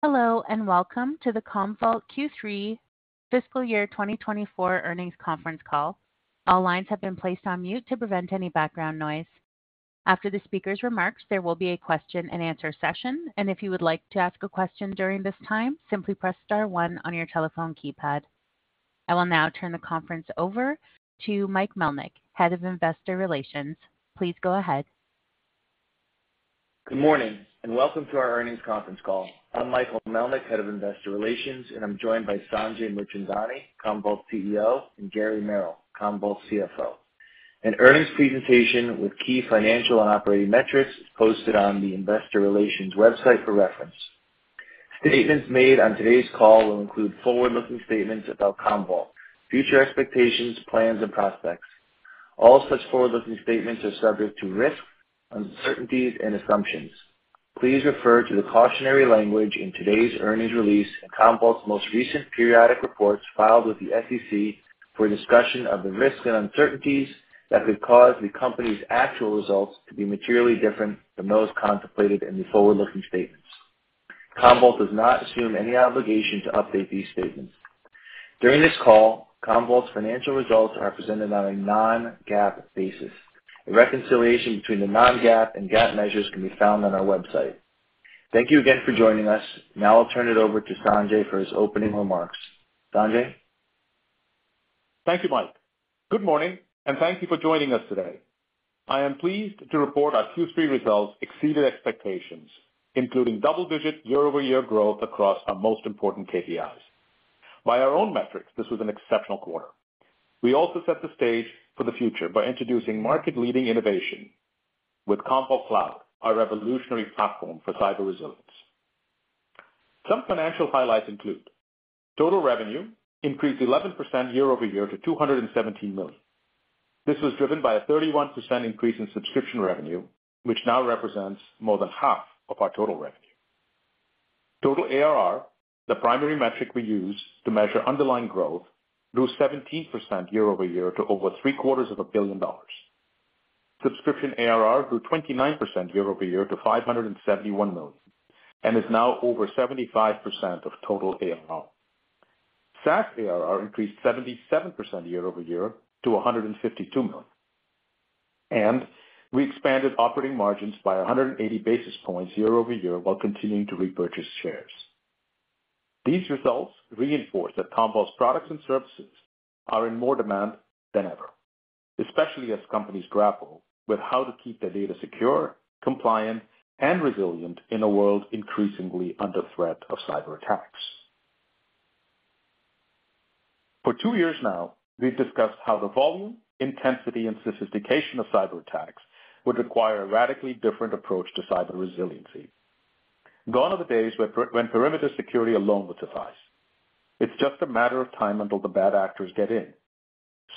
Hello, and welcome to the Commvault Q3 fiscal year 2024 earnings conference call. All lines have been placed on mute to prevent any background noise. After the speaker's remarks, there will be a question-and-answer session, and if you would like to ask a question during this time, simply press star one on your telephone keypad. I will now turn the conference over to Michael Melnyk, Head of Investor Relations. Please go ahead. Good morning, and welcome to our earnings conference call. I'm Michael Melnyk, Head of Investor Relations, and I'm joined by Sanjay Mirchandani, Commvault CEO, and Gary Merrill, Commvault CFO. An earnings presentation with key financial and operating metrics is posted on the investor relations website for reference. Statements made on today's call will include forward-looking statements about Commvault, future expectations, plans, and prospects. All such forward-looking statements are subject to risks, uncertainties and assumptions. Please refer to the cautionary language in today's earnings release and Commvault's most recent periodic reports filed with the SEC for a discussion of the risks and uncertainties that could cause the company's actual results to be materially different from those contemplated in the forward-looking statements. Commvault does not assume any obligation to update these statements. During this call, Commvault's financial results are presented on a non-GAAP basis. A reconciliation between the Non-GAAP and GAAP measures can be found on our website. Thank you again for joining us. Now I'll turn it over to Sanjay for his opening remarks. Sanjay? Thank you, Michael. Good morning, and thank you for joining us today. I am pleased to report our Q3 results exceeded expectations, including double-digit year-over-year growth across our most important KPIs. By our own metrics, this was an exceptional quarter. We also set the stage for the future by introducing market-leading innovation with Commvault Cloud, our revolutionary platform for cyber resilience. Some financial highlights include: Total revenue increased 11% year-over-year to $217 million. This was driven by a 31% increase in subscription revenue, which now represents more than half of our total revenue. Total ARR, the primary metric we use to measure underlying growth, grew 17% year-over-year to over $750 million. Subscription ARR grew 29% year-over-year to $571 million, and is now over 75% of total ARR. SaaS ARR increased 77% year-over-year to $152 million, and we expanded operating margins by 180 basis points year-over-year, while continuing to repurchase shares. These results reinforce that Commvault's products and services are in more demand than ever, especially as companies grapple with how to keep their data secure, compliant, and resilient in a world increasingly under threat of cyber attacks. For two years now, we've discussed how the volume, intensity, and sophistication of cyber attacks would require a radically different approach to cyber resiliency. Gone are the days when when perimeter security alone would suffice. It's just a matter of time until the bad actors get in.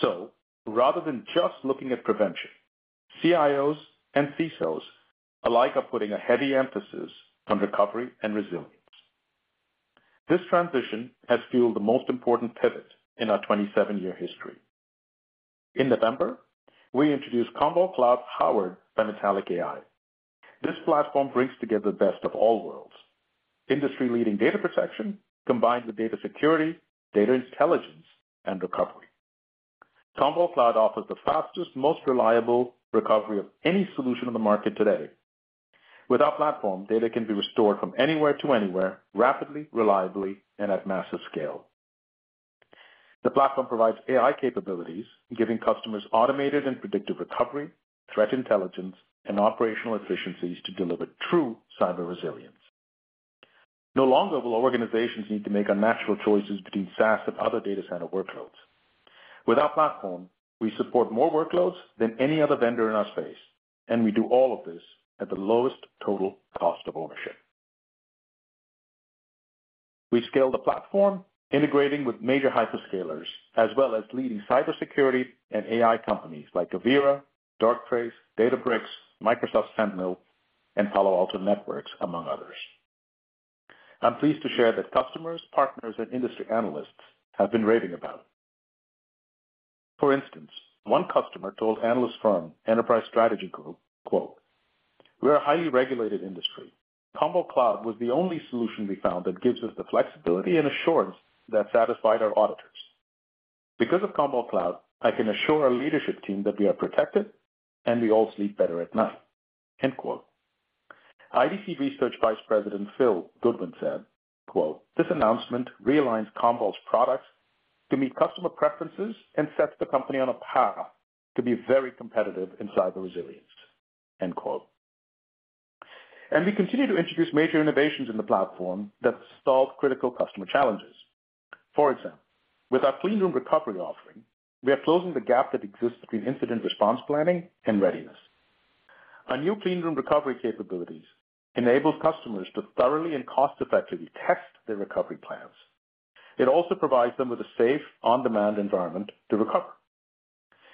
So rather than just looking at prevention, CIOs and CSOs alike are putting a heavy emphasis on recovery and resilience. This transition has fueled the most important pivot in our 27-year history. In November, we introduced Commvault Cloud, powered by Metallic AI. This platform brings together the best of all worlds: industry-leading data protection, combined with data security, data intelligence, and recovery. Commvault Cloud offers the fastest, most reliable recovery of any solution on the market today. With our platform, data can be restored from anywhere to anywhere, rapidly, reliably, and at massive scale. The platform provides AI capabilities, giving customers automated and predictive recovery, threat intelligence, and operational efficiencies to deliver true cyber resilience. No longer will organizations need to make unnatural choices between SaaS and other data center workloads. With our platform, we support more workloads than any other vendor in our space, and we do all of this at the lowest total cost of ownership. We've scaled the platform, integrating with major hyperscalers, as well as leading cybersecurity and AI companies like Avira, Darktrace, Databricks, Microsoft Sentinel, and Palo Alto Networks, among others. I'm pleased to share that customers, partners, and industry analysts have been raving about it. For instance, one customer told analyst firm Enterprise Strategy Group, "We are a highly regulated industry. Commvault Cloud was the only solution we found that gives us the flexibility and assurance that satisfied our auditors. Because of Commvault Cloud, I can assure our leadership team that we are protected, and we all sleep better at night." IDC Research Vice President Phil Goodwin said, "This announcement realigns Commvault's products to meet customer preferences and sets the company on a path to be very competitive in cyber resilience." We continue to introduce major innovations in the platform that solve critical customer challenges. For example, with our Clean Room Recovery offering, we are closing the gap that exists between incident response planning and readiness. Our new Clean Room Recovery capabilities enables customers to thoroughly and cost-effectively test their recovery plans. It also provides them with a safe, on-demand environment to recover.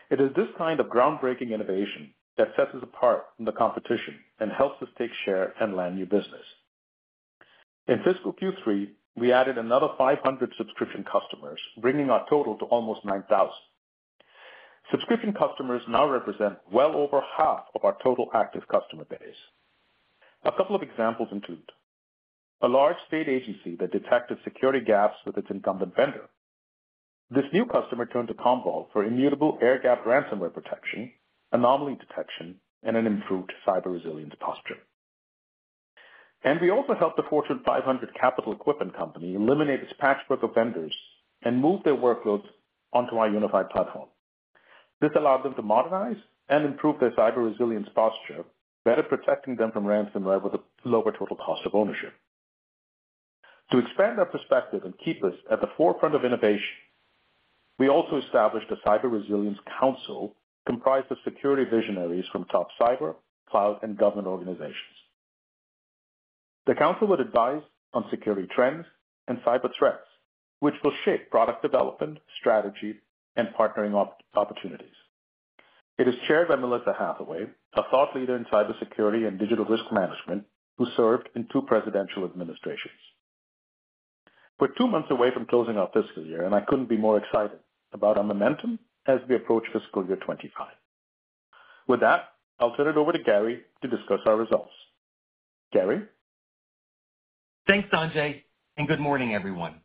It is this kind of groundbreaking innovation that sets us apart from the competition and helps us take share and land new business. In fiscal Q3, we added another 500 subscription customers, bringing our total to almost 9,000. Subscription customers now represent well over half of our total active customer base. A couple of examples include: a large state agency that detected security gaps with its incumbent vendor. This new customer turned to Commvault for immutable air gap ransomware protection, anomaly detection, and an improved cyber resilience posture. We also helped the Fortune 500 capital equipment company eliminate its patchwork of vendors and move their workloads onto our unified platform. This allowed them to modernize and improve their cyber resilience posture, better protecting them from ransomware with a lower total cost of ownership. To expand our perspective and keep us at the forefront of innovation, we also established a cyber resilience council comprised of security visionaries from top cyber, cloud, and government organizations. The council would advise on security trends and cyber threats, which will shape product development, strategy, and partnering opportunities. It is chaired by Melissa Hathaway, a thought leader in cybersecurity and digital risk management, who served in two presidential administrations. We're two months away from closing our fiscal year, and I couldn't be more excited about our momentum as we approach fiscal year 2025. With that, I'll turn it over to Gary to discuss our results. Gary? Thanks, Sanjay, and good morning, everyone.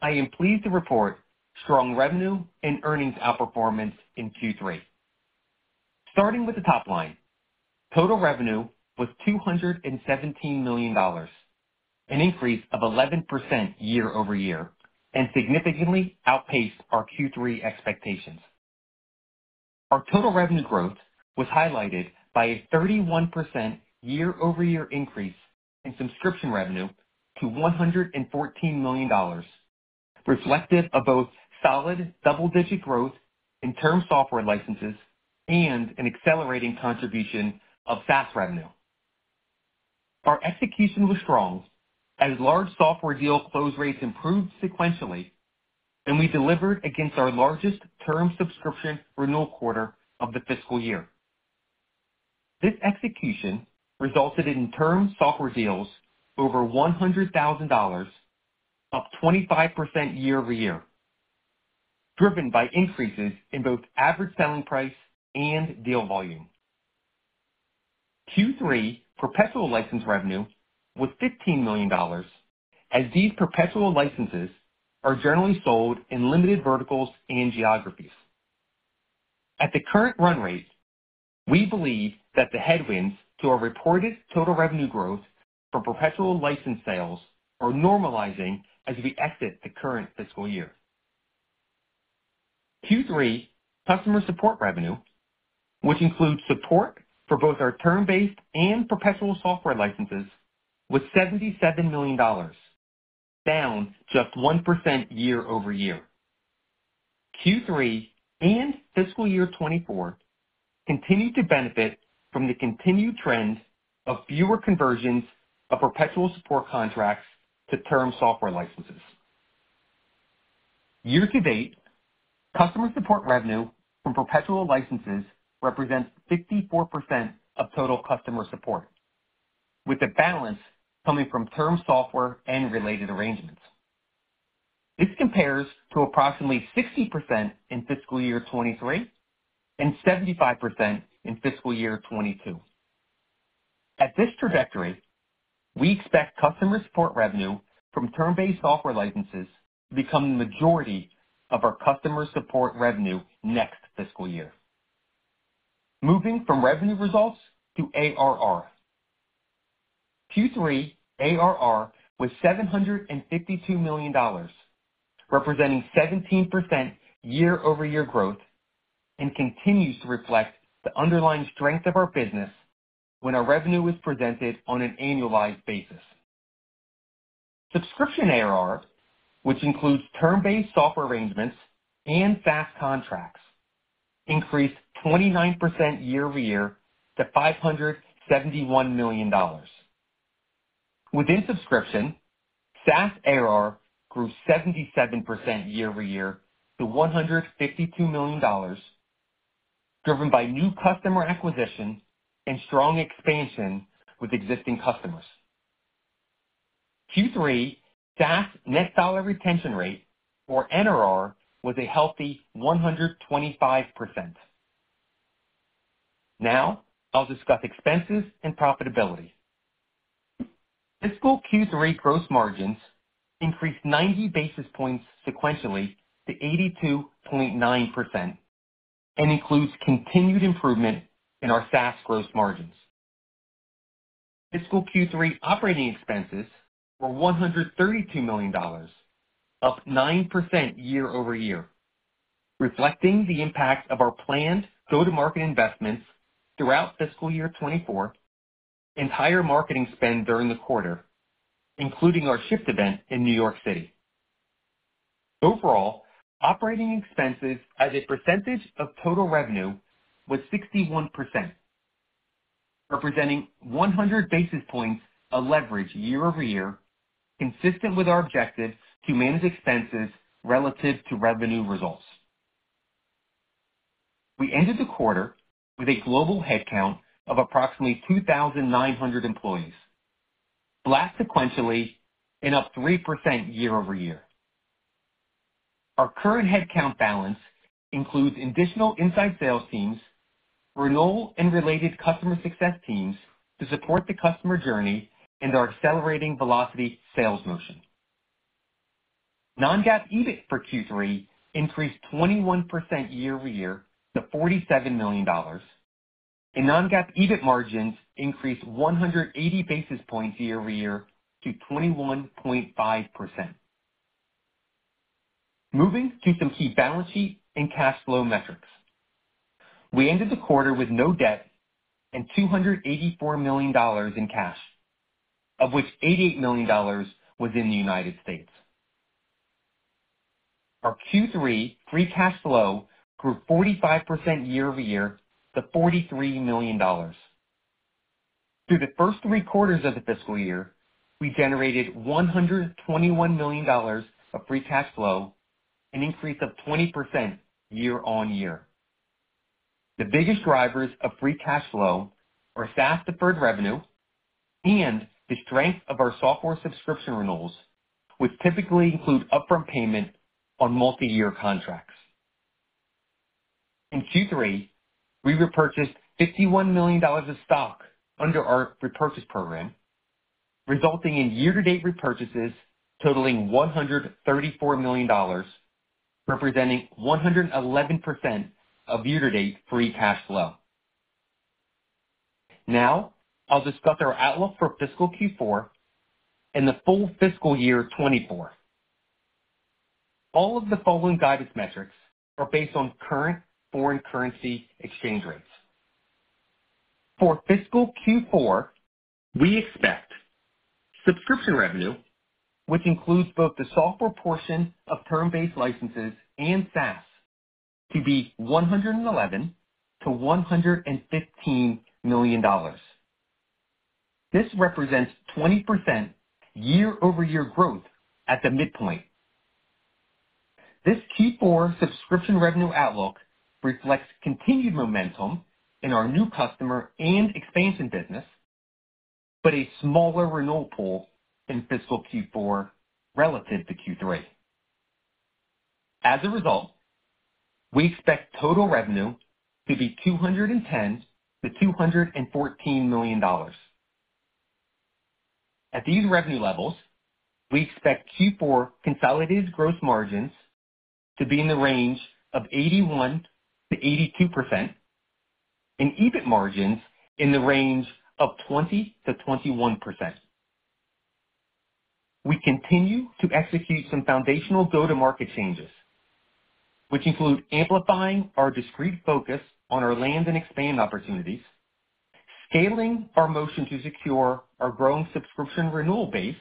I am pleased to report strong revenue and earnings outperformance in Q3. Starting with the top line. Total revenue was $217 million, an increase of 11% year-over-year, and significantly outpaced our Q3 expectations. Our total revenue growth was highlighted by a 31% year-over-year increase in subscription revenue to $114 million, reflective of both solid double-digit growth in term software licenses and an accelerating contribution of SaaS revenue. Our execution was strong as large software deal close rates improved sequentially, and we delivered against our largest term subscription renewal quarter of the fiscal year. This execution resulted in term software deals over $100,000, up 25% year-over-year, driven by increases in both average selling price and deal volume. Q3 perpetual license revenue was $15 million, as these perpetual licenses are generally sold in limited verticals and geographies. At the current run rate, we believe that the headwinds to our reported total revenue growth for perpetual license sales are normalizing as we exit the current fiscal year. Q3 customer support revenue, which includes support for both our term-based and perpetual software licenses, was $77 million, down just 1% year-over-year. Q3 and fiscal year 2024 continued to benefit from the continued trends of fewer conversions of perpetual support contracts to term software licenses. Year to date, customer support revenue from perpetual licenses represents 54% of total customer support, with the balance coming from term software and related arrangements. This compares to approximately 60% in fiscal year 2023 and 75% in fiscal year 2022. At this trajectory, we expect customer support revenue from term-based software licenses to become the majority of our customer support revenue next fiscal year. Moving from revenue results to ARR. Q3 ARR was $752 million, representing 17% year-over-year growth, and continues to reflect the underlying strength of our business when our revenue is presented on an annualized basis. Subscription ARR, which includes term-based software arrangements and SaaS contracts, increased 29% year-over-year to $571 million. Within subscription, SaaS ARR grew 77% year-over-year to $152 million, driven by new customer acquisition and strong expansion with existing customers. Q3 SaaS net dollar retention rate, or NRR, was a healthy 125%. Now I'll discuss expenses and profitability. Fiscal Q3 gross margins increased 90 basis points sequentially to 82.9% and includes continued improvement in our SaaS gross margins. Fiscal Q3 operating expenses were $132 million, up 9% year-over-year, reflecting the impact of our planned go-to-market investments throughout fiscal year 2024 and higher marketing spend during the quarter, including our SHIFT event in New York City. Overall, operating expenses as a percentage of total revenue was 61%, representing 100 basis points of leverage year-over-year, consistent with our objective to manage expenses relative to revenue results. We ended the quarter with a global headcount of approximately 2,900 employees, flat sequentially and up 3% year-over-year. Our current headcount balance includes additional inside sales teams, renewal and related customer success teams to support the customer journey and our accelerating velocity sales motion. Non-GAAP EBIT for Q3 increased 21% year-over-year to $47 million, and non-GAAP EBIT margins increased 180 basis points year-over-year to 21.5%. Moving to some key balance sheet and cash flow metrics. We ended the quarter with no debt and $284 million in cash, of which $88 million was in the United States. Our Q3 free cash flow grew 45% year-over-year to $43 million. Through the first three quarters of the fiscal year, we generated $121 million of free cash flow, an increase of 20% year-over-year. The biggest drivers of free cash flow are SaaS deferred revenue and the strength of our software subscription renewals, which typically include upfront payment on multiyear contracts. In Q3, we repurchased $51 million of stock under our repurchase program, resulting in year-to-date repurchases totaling $134 million, representing 111% of year-to-date free cash flow. Now, I'll discuss our outlook for fiscal Q4 and the full fiscal year 2024. All of the following guidance metrics are based on current foreign currency exchange rates. For fiscal Q4, we expect subscription revenue, which includes both the software portion of term-based licenses and SaaS, to be $111 million-$115 million. This represents 20% year-over-year growth at the midpoint. This Q4 subscription revenue outlook reflects continued momentum in our new customer and expansion business, but a smaller renewal pool in fiscal Q4 relative to Q3. As a result, we expect total revenue to be $210 million-$214 million. At these revenue levels, we expect Q4 consolidated gross margins to be in the range of 81%-82%, and EBIT margins in the range of 20%-21%. We continue to execute some foundational go-to-market changes, which include amplifying our discrete focus on our land and expand opportunities, scaling our motion to secure our growing subscription renewal base,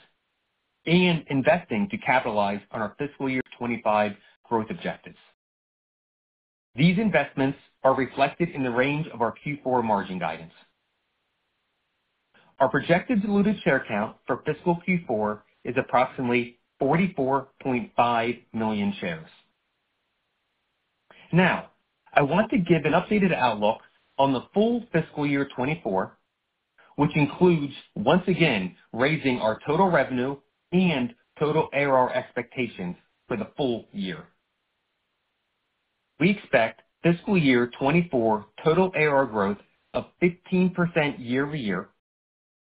and investing to capitalize on our fiscal year 2025 growth objectives. These investments are reflected in the range of our Q4 margin guidance. Our projected diluted share count for fiscal Q4 is approximately 44.5 million shares. Now, I want to give an updated outlook on the full fiscal year 2024, which includes, once again, raising our total revenue and total ARR expectations for the full year. We expect fiscal year 2024 total ARR growth of 15% year-over-year,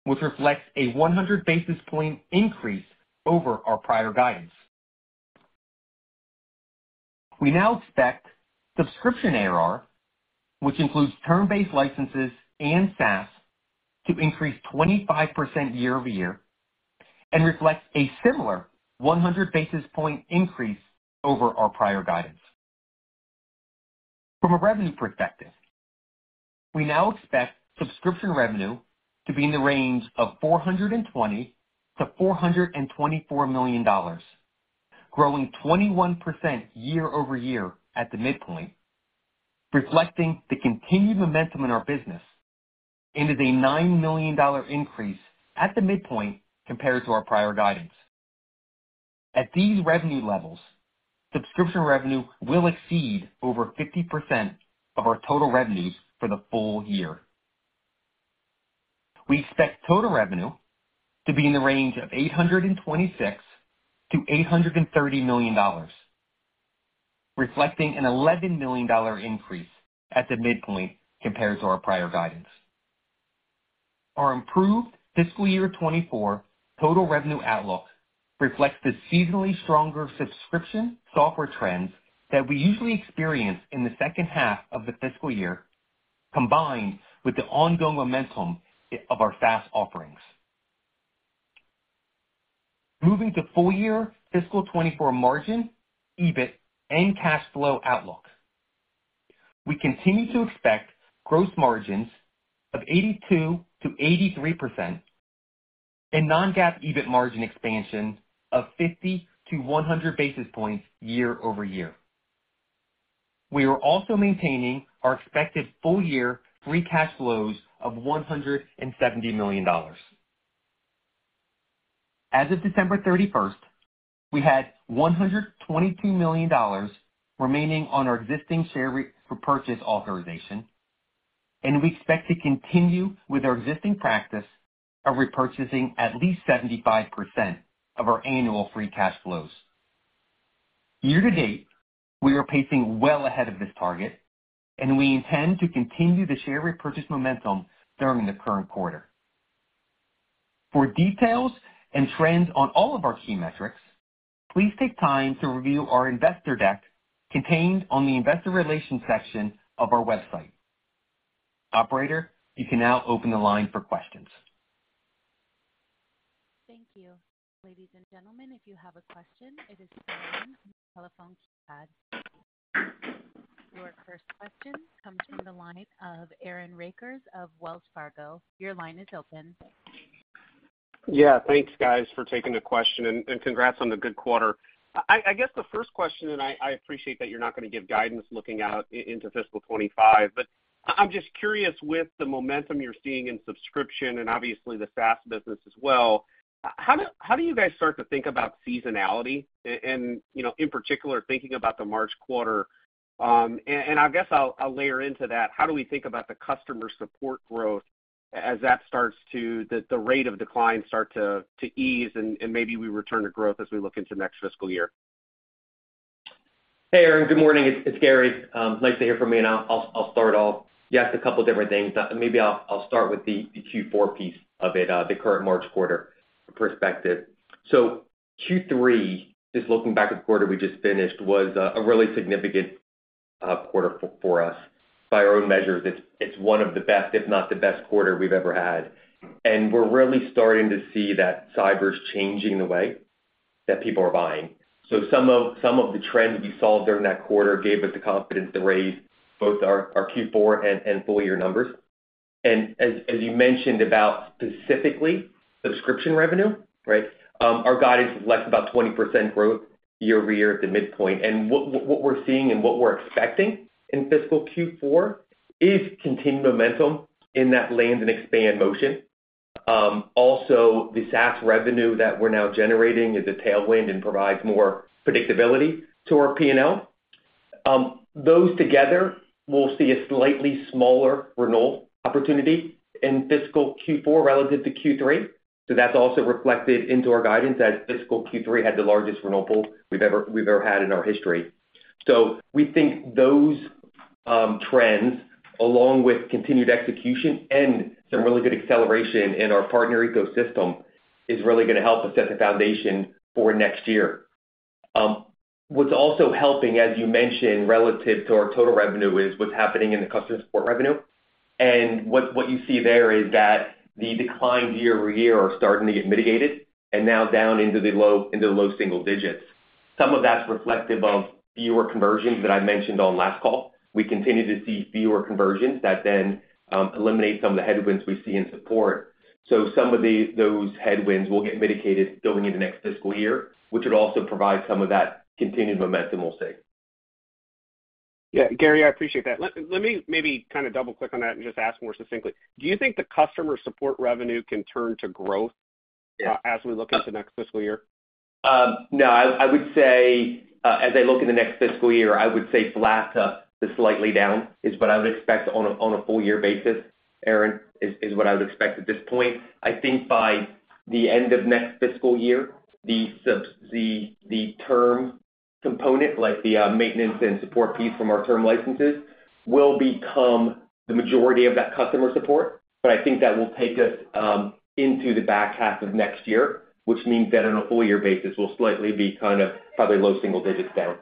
which reflects a 100 basis point increase over our prior guidance. We now expect subscription ARR, which includes term-based licenses and SaaS, to increase 25% year-over-year and reflects a similar 100 basis point increase over our prior guidance. From a revenue perspective, we now expect subscription revenue to be in the range of $420 million-$424 million, growing 21% year-over-year at the midpoint, reflecting the continued momentum in our business and is a $9 million increase at the midpoint compared to our prior guidance. At these revenue levels, subscription revenue will exceed over 50% of our total revenues for the full year. We expect total revenue to be in the range of $826 million-$830 million, reflecting an $11 million increase at the midpoint compared to our prior guidance. Our improved fiscal year 2024 total revenue outlook reflects the seasonally stronger subscription software trends that we usually experience in the second half of the fiscal year, combined with the ongoing momentum of our SaaS offerings. Moving to full year fiscal 2024 margin, EBIT and cash flow outlook. We continue to expect gross margins of 82%-83% and non-GAAP EBIT margin expansion of 50 to 100 basis points year-over-year. We are also maintaining our expected full-year free cash flows of $170 million.... As of December 31st, we had $122 million remaining on our existing share repurchase authorization, and we expect to continue with our existing practice of repurchasing at least 75% of our annual free cash flows. Year to date, we are pacing well ahead of this target, and we intend to continue the share repurchase momentum during the current quarter. For details and trends on all of our key metrics, please take time to review our investor deck contained on the investor relations section of our website. Operator, you can now open the line for questions. Thank you. Ladies and gentlemen, if you have a question, it is star one on your telephone keypad. Your first question comes from the line of Aaron Rakers of Wells Fargo. Your line is open. Yeah, thanks, guys, for taking the question, and congrats on the good quarter. I guess the first question, and I appreciate that you're not going to give guidance looking out into fiscal 2025, but I'm just curious, with the momentum you're seeing in subscription and obviously the SaaS business as well, how do you guys start to think about seasonality and, you know, in particular, thinking about the March quarter? And I guess I'll layer into that: How do we think about the customer support growth as that starts to—the rate of decline starts to ease and maybe we return to growth as we look into next fiscal year? Hey, Aaron, good morning. It's Gary. Nice to hear from you, and I'll start off. You asked a couple different things. Maybe I'll start with the Q4 piece of it, the current March quarter perspective. So Q3, just looking back at the quarter we just finished, was a really significant quarter for us. By our own measures, it's one of the best, if not the best quarter we've ever had. And we're really starting to see that cyber is changing the way that people are buying. So some of the trends we saw during that quarter gave us the confidence to raise both our Q4 and full year numbers. And as you mentioned about specifically subscription revenue, right? Our guidance is less about 20% growth year-over-year at the midpoint. And what we're seeing and what we're expecting in fiscal Q4 is continued momentum in that land and expand motion. Also, the SaaS revenue that we're now generating is a tailwind and provides more predictability to our P&L. Those together will see a slightly smaller renewal opportunity in fiscal Q4 relative to Q3. So that's also reflected into our guidance, as fiscal Q3 had the largest renewal pool we've ever had in our history. So we think those trends, along with continued execution and some really good acceleration in our partner ecosystem, is really gonna help us set the foundation for next year. What's also helping, as you mentioned, relative to our total revenue, is what's happening in the customer support revenue. And what, what you see there is that the declines year-over-year are starting to get mitigated and now down into the low—into the low single digits. Some of that's reflective of viewer conversions that I mentioned on last call. We continue to see viewer conversions that then eliminate some of the headwinds we see in support. So some of those headwinds will get mitigated going into next fiscal year, which would also provide some of that continued momentum we'll see. Yeah, Gary, I appreciate that. Let, let me maybe kind of double-click on that and just ask more succinctly. Do you think the customer support revenue can turn to growth? Yeah. as we look into next fiscal year? No. I would say, as I look in the next fiscal year, I would say flat to slightly down is what I would expect on a full year basis, Aaron, is what I would expect at this point. I think by the end of next fiscal year, the term component, like the maintenance and support piece from our term licenses, will become the majority of that customer support. But I think that will take us into the back half of next year, which means that on a full year basis, we'll slightly be kind of probably low single digits down.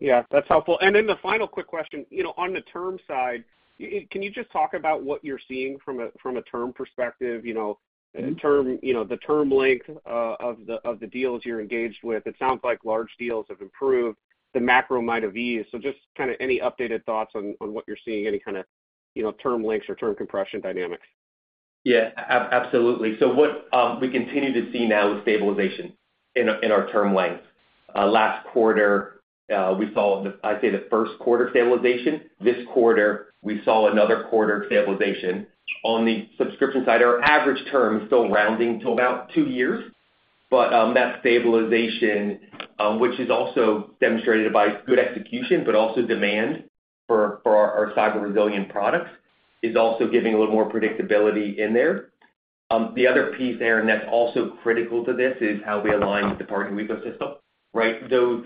Yeah, that's helpful. And then the final quick question. You know, on the term side, can you just talk about what you're seeing from a, from a term perspective? You know, term, you know, the term length of the, of the deals you're engaged with. It sounds like large deals have improved. The macro might have eased. So just kind of any updated thoughts on, on what you're seeing, any kind of, you know, term lengths or term compression dynamics? Yeah, absolutely. So what we continue to see now is stabilization in our term lengths. Last quarter, we saw the, I'd say, the first quarter stabilization. This quarter, we saw another quarter of stabilization. On the subscription side, our average term is still rounding to about two years, but that stabilization, which is also demonstrated by good execution, but also demand for our cyber resilient products, is also giving a little more predictability in there. The other piece there, and that's also critical to this, is how we align with the partner ecosystem, right? Those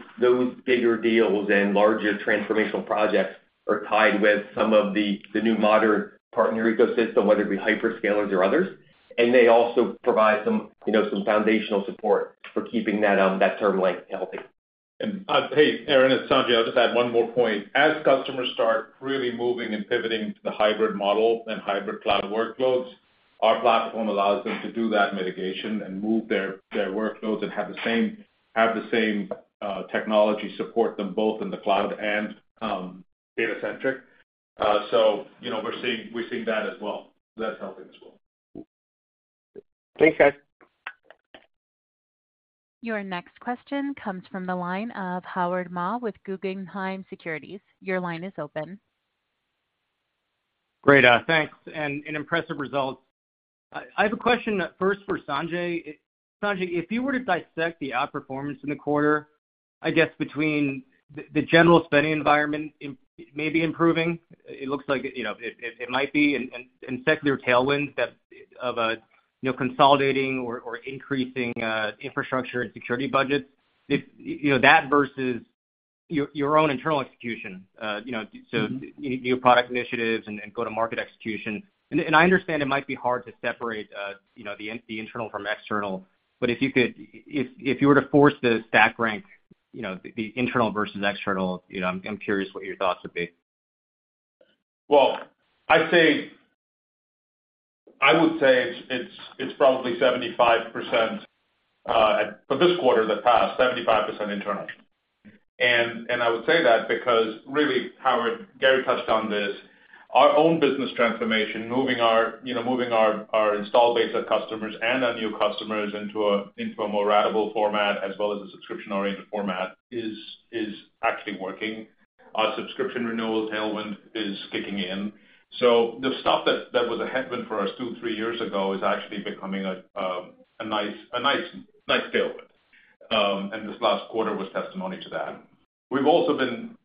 bigger deals and larger transformational projects are tied with some of the new modern partner ecosystem, whether it be hyperscalers or others, and they also provide some, you know, some foundational support for keeping that term length healthy. Hey, Aaron, it's Sanjay. I'll just add one more point. As customers start really moving and pivoting to the hybrid model and hybrid cloud workloads, our platform allows them to do that mitigation and move their, their workloads and have the same, have the same, technology support them, both in the cloud and data centric. So you know, we're seeing, we're seeing that as well. So that's helping as well. Thanks, guys. Your next question comes from the line of Howard Ma with Guggenheim Securities. Your line is open.... Great, thanks, and impressive results. I have a question first for Sanjay. Sanjay, if you were to dissect the outperformance in the quarter, I guess between the general spending environment maybe improving, it looks like, you know, it might be and secular tailwinds that of a, you know, consolidating or increasing infrastructure and security budgets. If, you know, that versus your own internal execution, you know, so- Mm-hmm. new product initiatives and go-to-market execution. And I understand it might be hard to separate, you know, the internal from external. But if you could, if you were to force the stack rank, you know, the internal versus external, you know, I'm curious what your thoughts would be. Well, I'd say... I would say it's probably 75%, for this quarter that passed, 75% internal. And I would say that because really, Howard, Gary touched on this, our own business transformation, moving our, you know, moving our install base of customers and our new customers into a more ratable format as well as a subscription-oriented format, is actually working. Our subscription renewal tailwind is kicking in. So the stuff that was a headwind for us two, three years ago is actually becoming a nice, a nice tailwind. And this last quarter was testimony to that. We've also been,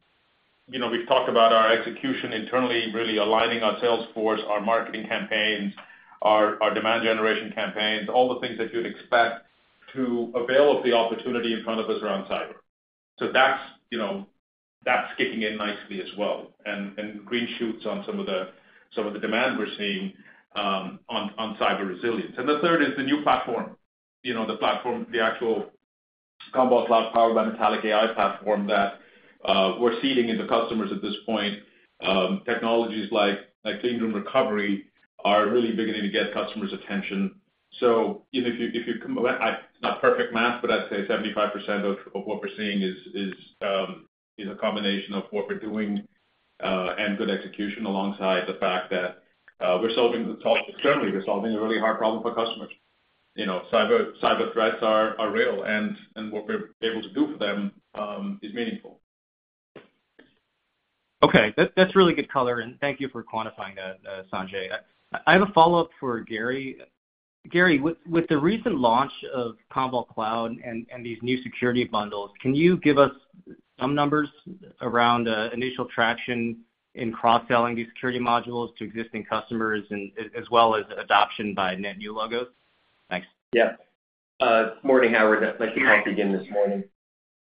you know, we've talked about our execution internally, really aligning our sales force, our marketing campaigns, our, our demand generation campaigns, all the things that you'd expect to avail of the opportunity in front of us around cyber. So that's, you know, that's kicking in nicely as well. And, and green shoots on some of the, some of the demand we're seeing, on, on cyber resilience. And the third is the new platform, you know, the platform, the actual Commvault Cloud powered by Metallic AI platform that, we're seeding into customers at this point. Technologies like, like Clean Room Recovery are really beginning to get customers' attention. So, you know, if you, if you I... Not perfect math, but I'd say 75% of what we're seeing is a combination of what we're doing and good execution, alongside the fact that we're solving the top-- externally, we're solving a really hard problem for customers. You know, cyber threats are real, and what we're able to do for them is meaningful. Okay. That's really good color, and thank you for quantifying that, Sanjay. I have a follow-up for Gary. Gary, with the recent launch of Commvault Cloud and these new security bundles, can you give us some numbers around initial traction in cross-selling these security modules to existing customers and as well as adoption by net new logos? Thanks. Yeah. Morning, Howard. Nice to talk again this morning.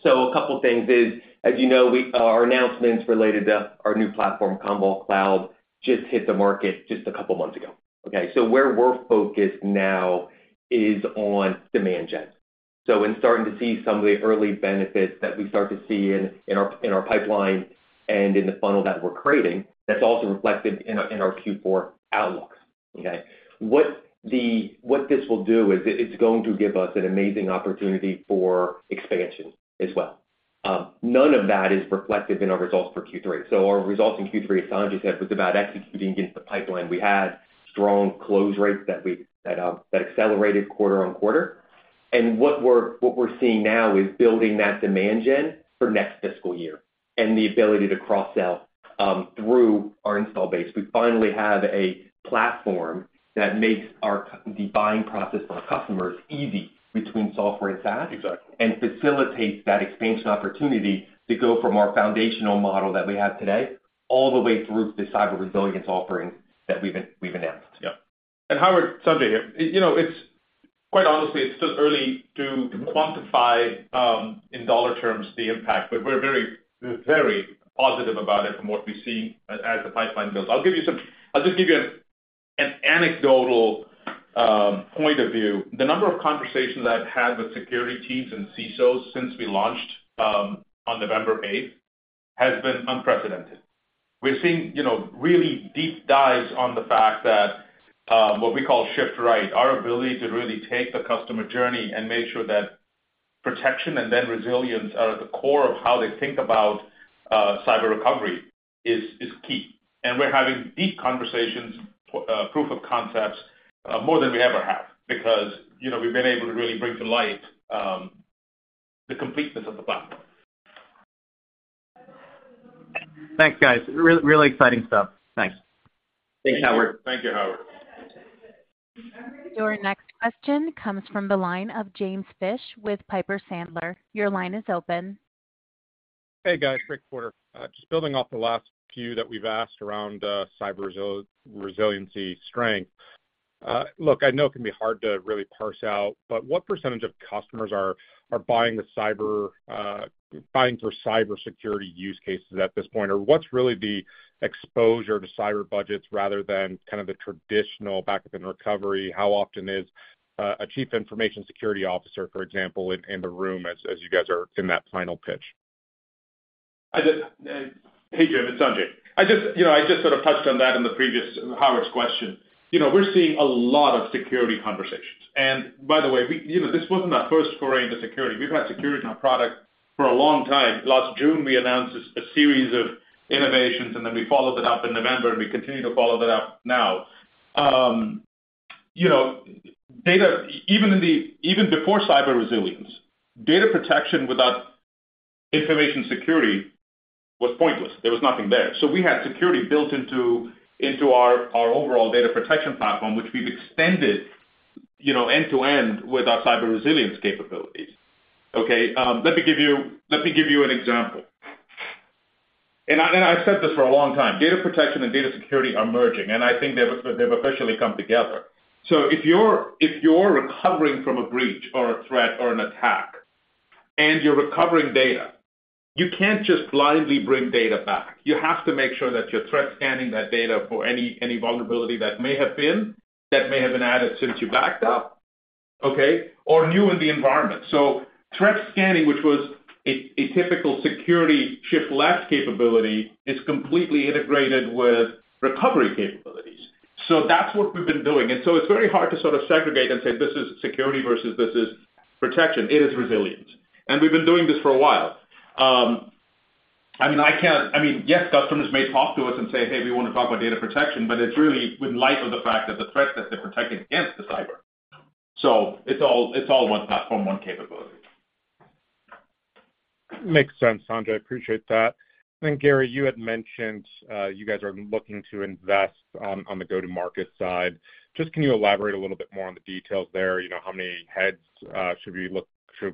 So a couple things is, as you know, we, our announcements related to our new platform, Commvault Cloud, just hit the market just a couple months ago, okay? So where we're focused now is on demand gen. So in starting to see some of the early benefits that we start to see in, in our, in our pipeline and in the funnel that we're creating, that's also reflected in our, in our Q4 outlooks, okay? What this will do is, it's going to give us an amazing opportunity for expansion as well. None of that is reflective in our results for Q3. So our results in Q3, as Sanjay said, was about executing against the pipeline. We had strong close rates that we, that, that accelerated quarter-over-quarter. What we're seeing now is building that demand gen for next fiscal year and the ability to cross-sell through our install base. We finally have a platform that makes the buying process for our customers easy between software and SaaS- Exactly. and facilitates that expansion opportunity to go from our foundational model that we have today, all the way through the cyber resilience offering that we've announced. Yeah. And Howard, Sanjay here. You know, it's quite honestly, it's still early to quantify in dollar terms the impact, but we're very, very positive about it from what we see as the pipeline builds. I'll give you some - I'll just give you an anecdotal point of view. The number of conversations I've had with security teams and CISOs since we launched on November eighth has been unprecedented. We're seeing, you know, really deep dives on the fact that what we call Shift Right, our ability to really take the customer journey and make sure that protection and then resilience are at the core of how they think about cyber recovery, is key. And we're having deep conversations, proof of concepts, more than we ever have because, you know, we've been able to really bring to light the completeness of the platform. Thanks, guys. Really, really exciting stuff. Thanks. Thanks, Howard. Thank you, Howard. Your next question comes from the line of James Fish with Piper Sandler. Your line is open. Hey, guys, great quarter. Just building off the last few that we've asked around, cyber resiliency strength. Look, I know it can be hard to really parse out, but what percentage of customers are buying the cyber, buying for cybersecurity use cases at this point? Or what's really the exposure to cyber budgets rather than kind of the traditional backup and recovery? How often is a chief information security officer, for example, in the room as you guys are in that final pitch? I just, hey, Jim, it's Sanjay. I just, you know, I just sort of touched on that in the previous, Howard's question. You know, we're seeing a lot of security conversations. And by the way, we, you know, this wasn't our first foray into security. We've had security in our product for a long time. Last June, we announced a series of innovations, and then we followed it up in November, and we continue to follow that up now. You know, data, even before cyber resilience, data protection without information security was pointless. There was nothing there. So we had security built into our overall data protection platform, which we've extended, you know, end to end with our cyber resilience capabilities. Okay, let me give you an example, and I've said this for a long time: data protection and data security are merging, and I think they've officially come together. So if you're recovering from a breach or a threat or an attack, and you're recovering data, you can't just blindly bring data back. You have to make sure that you're threat scanning that data for any vulnerability that may have been added since you backed up, okay, or new in the environment. So threat scanning, which was a typical security Shift Left capability, is completely integrated with recovery capabilities. So that's what we've been doing. And so it's very hard to sort of segregate and say, this is security versus this is protection. It is resilience, and we've been doing this for a while. I mean, yes, customers may talk to us and say, "Hey, we want to talk about data protection," but it's really in light of the fact that the threat that they're protecting against is cyber. So it's all, it's all one platform, one capability. Makes sense, Sanjay. I appreciate that. I think, Gary, you had mentioned, you guys are looking to invest, on the go-to-market side. Just can you elaborate a little bit more on the details there? You know, how many heads, should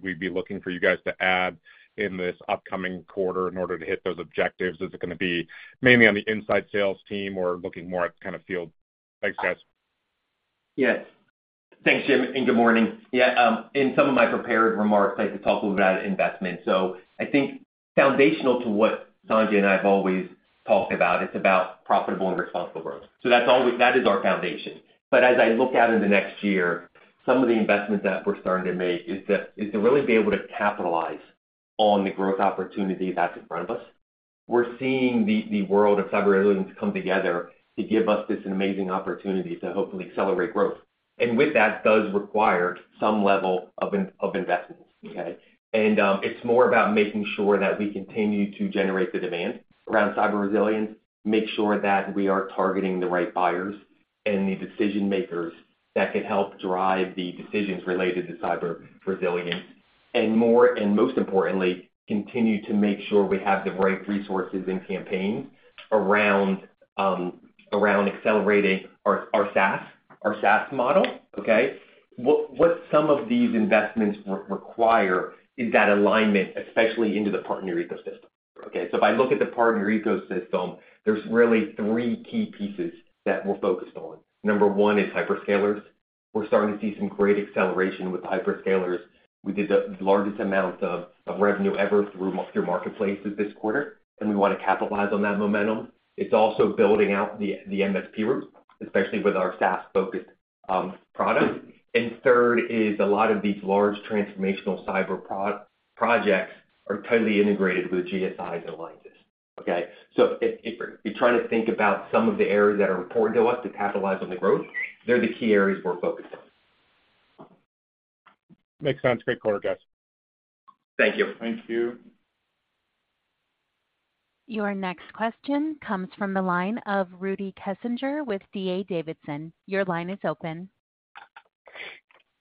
we be looking for you guys to add in this upcoming quarter in order to hit those objectives? Is it gonna be mainly on the inside sales team or looking more at kind of field? Thanks, guys. Yes. Thanks, Jim, and good morning. Yeah, in some of my prepared remarks, I did talk a little about investment. So I think foundational to what Sanjay and I have always talked about, it's about profitable and responsible growth. So that's always, that is our foundation. But as I look out in the next year, some of the investments that we're starting to make is to really be able to capitalize on the growth opportunity that's in front of us. We're seeing the world of cyber resilience come together to give us this amazing opportunity to hopefully accelerate growth. And with that does require some level of investment, okay? It's more about making sure that we continue to generate the demand around cyber resilience, make sure that we are targeting the right buyers and the decision makers that can help drive the decisions related to cyber resilience, and more and most importantly, continue to make sure we have the right resources and campaigns around accelerating our SaaS model, okay? What some of these investments require is that alignment, especially into the partner ecosystem, okay? So if I look at the partner ecosystem, there's really three key pieces that we're focused on. Number one is hyperscalers. We're starting to see some great acceleration with the hyperscalers. We did the largest amount of revenue ever through multiple marketplaces this quarter, and we want to capitalize on that momentum. It's also building out the MSP route, especially with our SaaS-focused product. And third, a lot of these large transformational cyber projects are totally integrated with GSIs and alliances, okay? So if you try to think about some of the areas that are important to us to capitalize on the growth, they're the key areas we're focused on. Makes sense. Great quarter, guys. Thank you. Thank you. Your next question comes from the line of Rudy Kessinger with D.A. Davidson. Your line is open.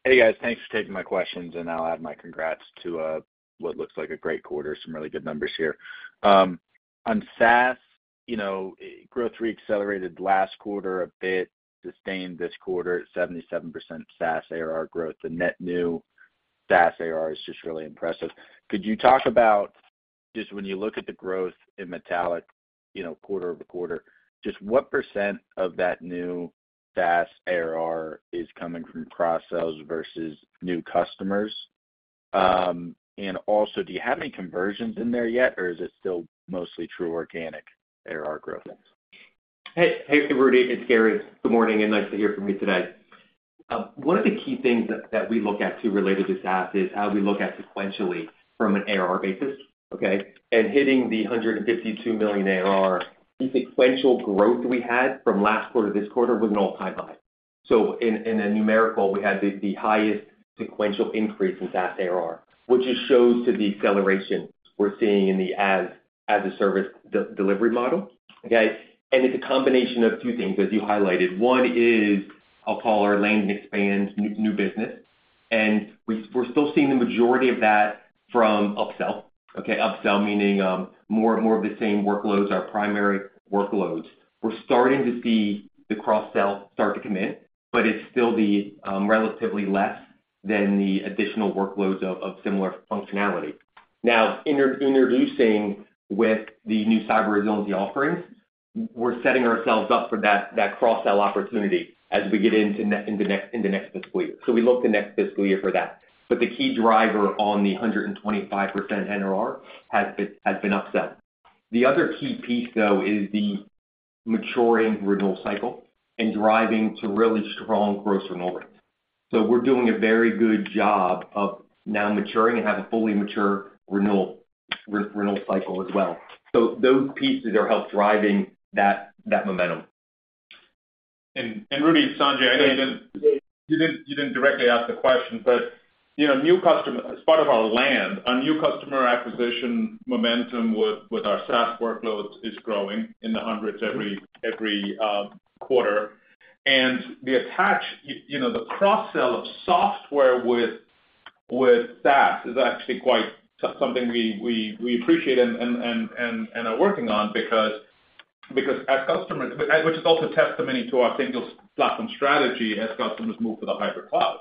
Hey, guys. Thanks for taking my questions, and I'll add my congrats to what looks like a great quarter. Some really good numbers here. On SaaS, you know, growth reaccelerated last quarter, a bit sustained this quarter, 77% SaaS ARR growth. The net new SaaS ARR is just really impressive. Could you talk about, just when you look at the growth in Metallic, you know, quarter-over-quarter, just what percent of that new SaaS ARR is coming from cross-sells versus new customers? And also, do you have any conversions in there yet, or is it still mostly true organic ARR growth? Hey, hey, Rudy, it's Gary. Good morning, and nice to hear from you today. One of the key things that we look at, too, related to SaaS is how we look at sequentially from an ARR basis, okay? And hitting the $152 million ARR, the sequential growth we had from last quarter to this quarter was an all-time high. So in a numerical, we had the highest sequential increase in SaaS ARR, which just shows to the acceleration we're seeing in the as-a-service delivery model, okay? And it's a combination of two things, as you highlighted. One is, I'll call our land expand new business, and we're still seeing the majority of that from upsell. Okay, upsell, meaning, more of the same workloads, our primary workloads. We're starting to see the cross-sell start to come in, but it's still the relatively less than the additional workloads of similar functionality. Now, introducing with the new cyber resiliency offerings, we're setting ourselves up for that cross-sell opportunity as we get into the next fiscal year. So we look to next fiscal year for that. But the key driver on the 125% NRR has been upsell. The other key piece, though, is the maturing renewal cycle and driving to really strong growth renewal rates. So we're doing a very good job of now maturing and have a fully mature renewal cycle as well. So those pieces are helping drive that momentum. Rudy, Sanjay, I know you didn't directly ask the question, but you know, new customer. As part of our land, our new customer acquisition momentum with our SaaS workloads is growing in the hundreds every quarter. And the attach, you know, the cross-sell of software with SaaS is actually quite something we appreciate and are working on because as customers, which is also a testimony to our single platform strategy as customers move to the hybrid cloud.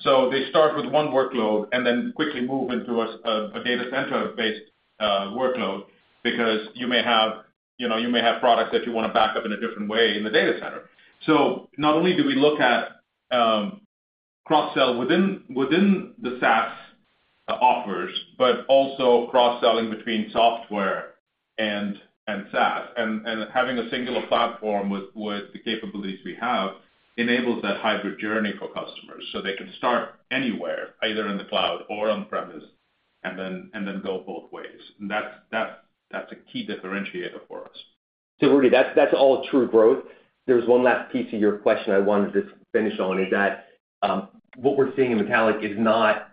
So they start with one workload and then quickly move into a data center-based workload, because you may have, you know, you may have products that you want to back up in a different way in the data center. So not only do we look at cross-sell within the SaaS offers, but also cross-selling between software and SaaS, and having a singular platform with the capabilities we have enables that hybrid journey for customers, so they can start anywhere, either in the cloud or on-premise, and then go both ways. And that's a key differentiator for us. So Rudy, that's, that's all true growth. There's one last piece to your question I wanted to finish on, is that, what we're seeing in Metallic is not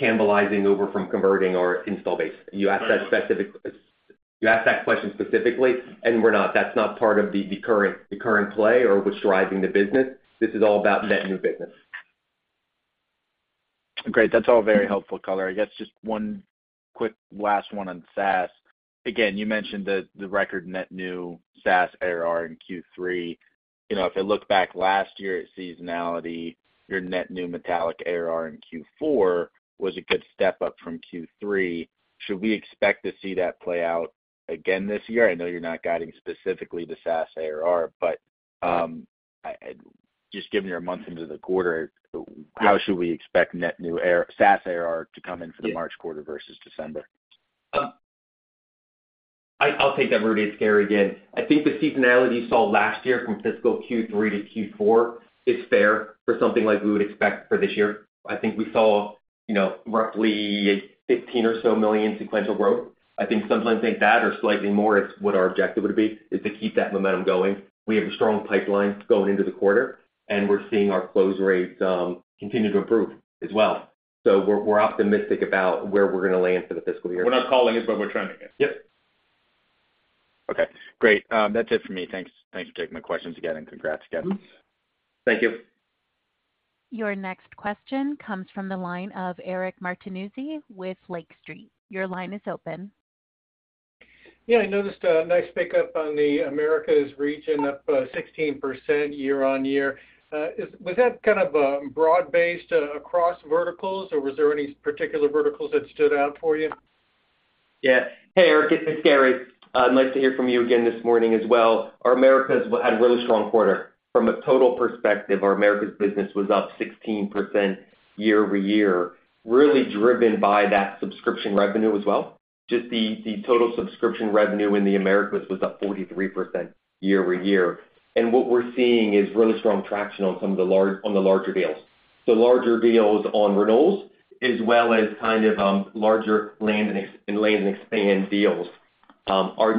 cannibalizing over from converting our install base. You asked that specific- you asked that question specifically, and we're not. That's not part of the, the current, the current play or what's driving the business. This is all about net new business. Great. That's all very helpful color. I guess just one quick last one on SaaS. Again, you mentioned the record net new SaaS ARR in Q3. You know, if I look back last year at seasonality, your net new Metallic ARR in Q4 was a good step up from Q3. Should we expect to see that play out again this year? I know you're not guiding specifically the SaaS ARR, but I just given you're a month into the quarter, how should we expect net new ARR, SaaS ARR to come in for the March quarter versus December? I'll take that, Rudy. It's Gary again. I think the seasonality you saw last year from fiscal Q3 to Q4 is fair for something like we would expect for this year. I think we saw, you know, roughly $15 million or so sequential growth. I think something like that or slightly more is what our objective would be, is to keep that momentum going. We have a strong pipeline going into the quarter, and we're seeing our close rates continue to improve as well. So we're optimistic about where we're going to land for the fiscal year. We're not calling it, but we're trending it. Yep. Okay, great. That's it for me. Thanks. Thanks for taking my questions again, and congrats, guys. Thank you. Your next question comes from the line of Eric Martinuzzi with Lake Street. Your line is open. Yeah, I noticed a nice pickup on the Americas region, up 16% year-on-year. Was that kind of broad-based across verticals, or was there any particular verticals that stood out for you? Yeah. Hey, Eric, it's Gary. Nice to hear from you again this morning as well. Our Americas had a really strong quarter. From a total perspective, our Americas business was up 16% year-over-year, really driven by that subscription revenue as well. Just the, the total subscription revenue in the Americas was up 43% year-over-year. What we're seeing is really strong traction on some of the larger deals. So larger deals on renewals, as well as kind of, larger land and expand deals. Our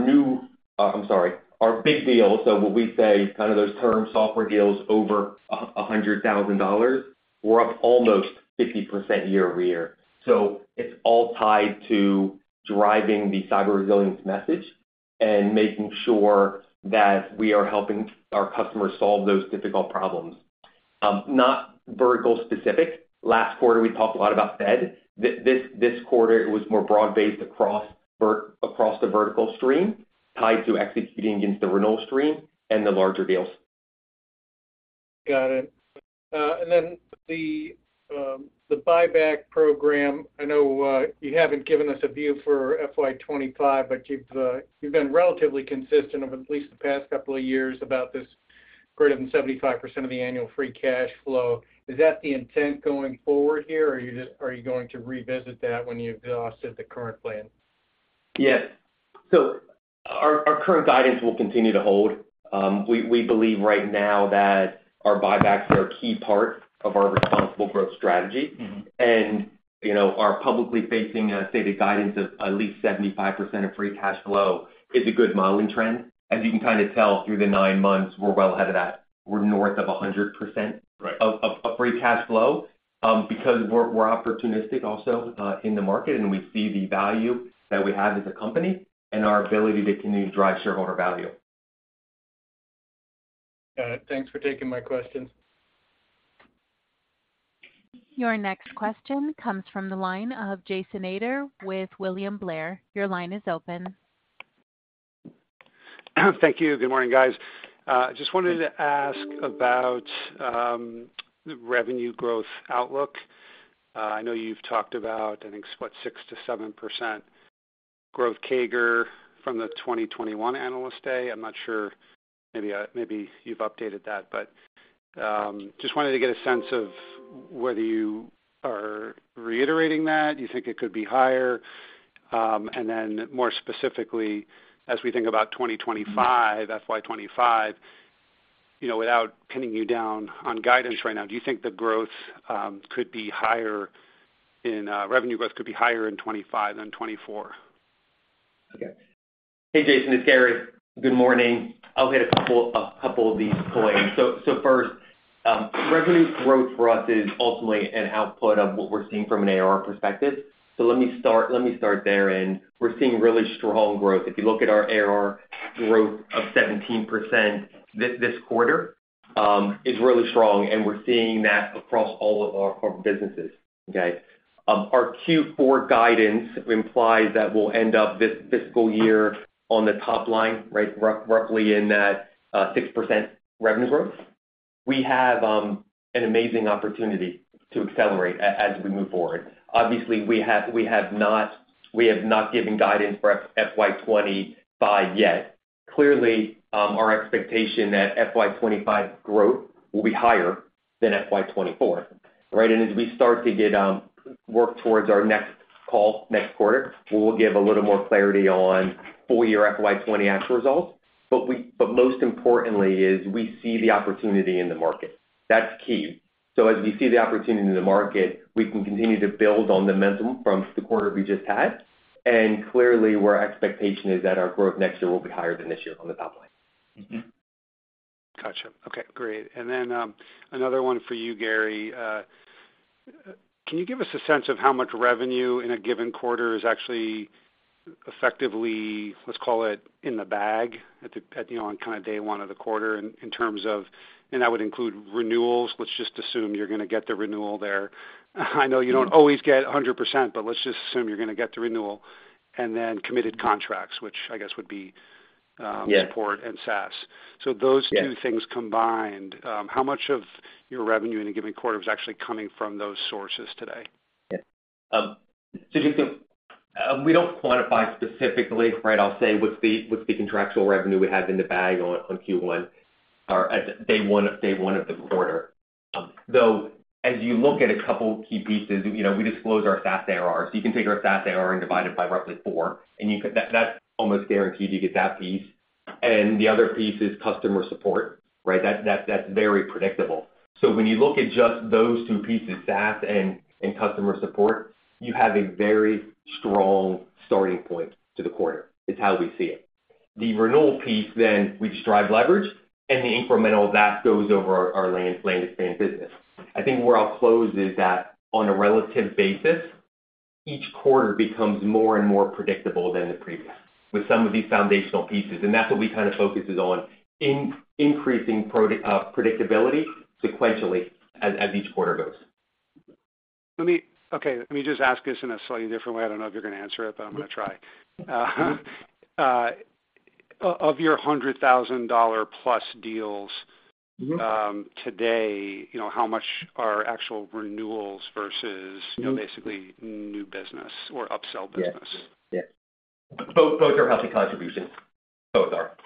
big deals, so what we say, kind of those term software deals over $100,000, were up almost 50% year-over-year. So it's all tied to driving the cyber resilience message and making sure that we are helping our customers solve those difficult problems. Not vertical specific. Last quarter, we talked a lot about Fed. This, this quarter, it was more broad-based across the vertical stream, tied to executing against the renewal stream and the larger deals. Got it. And then the, the buyback program, I know, you haven't given us a view for FY 2025, but you've, you've been relatively consistent over at least the past couple of years about this greater than 75% of the annual free cash flow. Is that the intent going forward here, or are you just- are you going to revisit that when you've exhausted the current plan? Yeah. So our current guidance will continue to hold. We believe right now that our buybacks are a key part of our responsible growth strategy. Mm-hmm. And, you know, our publicly facing, stated guidance of at least 75% of free cash flow is a good modeling trend. As you can kind of tell through the nine months, we're well ahead of that. We're north of 100%- Right... of free cash flow, because we're opportunistic also in the market, and we see the value that we have as a company and our ability to continue to drive shareholder value. Got it. Thanks for taking my questions. Your next question comes from the line of Jason Ader with William Blair. Your line is open. Thank you. Good morning, guys. Just wanted to ask about the revenue growth outlook. I know you've talked about, I think, what, 6%-7% growth CAGR from the 2021 Analyst Day. I'm not sure, maybe, maybe you've updated that, but just wanted to get a sense of whether you are reiterating that, you think it could be higher. And then more specifically, as we think about 2025, FY 2025, you know, without pinning you down on guidance right now, do you think the growth could be higher in revenue growth could be higher in 2025 than 2024? Okay. Hey, Jason, it's Gary. Good morning. I'll hit a couple of these points. So first, revenue growth for us is ultimately an output of what we're seeing from an ARR perspective. So let me start there, and we're seeing really strong growth. If you look at our ARR growth of 17% this quarter is really strong, and we're seeing that across all of our corporate businesses, okay? Our Q4 guidance implies that we'll end up this fiscal year on the top line, right, roughly in that 6% revenue growth. We have an amazing opportunity to accelerate as we move forward. Obviously, we have not given guidance for FY 25 yet. Clearly, our expectation that FY 25 growth will be higher than FY 24, right? As we start to get, work towards our next call, next quarter, we will give a little more clarity on full year FY 2020 actual results. But most importantly is, we see the opportunity in the market. That's key. So as we see the opportunity in the market, we can continue to build on the momentum from the quarter we just had, and clearly, our expectation is that our growth next year will be higher than this year on the top line. Mm-hmm. Gotcha. Okay, great. And then another one for you, Gary. Can you give us a sense of how much revenue in a given quarter is actually effectively, let's call it, in the bag at the, you know, on kind of day one of the quarter, in terms of... And that would include renewals. Let's just assume you're gonna get the renewal there. I know you don't always get 100%, but let's just assume you're gonna get the renewal, and then committed contracts, which I guess would be, Yeah. Support and SaaS. So those two things combined, how much of your revenue in a given quarter is actually coming from those sources today? Yeah. So you can, we don't quantify specifically, right? I'll say, what's the contractual revenue we have in the bag on, on Q1 or at day one of the quarter. Though, as you look at a couple key pieces, you know, we disclose our SaaS ARR. So you can take our SaaS ARR and divide it by roughly four, and you could, that's almost guaranteed you get that piece. And the other piece is customer support, right? That's very predictable. So when you look at just those two pieces, SaaS and customer support, you have a very strong starting point to the quarter. It's how we see it. The renewal piece, then we just drive leverage, and the incremental that goes over our land and expand business. I think where I'll close is that on a relative basis, each quarter becomes more and more predictable than the previous, with some of these foundational pieces, and that's what we kind of focus is on, in increasing predictability sequentially as each quarter goes. Let me, okay, let me just ask this in a slightly different way. I don't know if you're gonna answer it, but I'm gonna try. Of your $100,000+ deals today, you know, how much are actual renewals versus, you know, basically new business or upsell business? Yeah. Yeah. Both, both are healthy contributions. Both are,